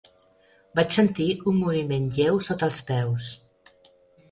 Vaig sentir un moviment lleu sota els peus.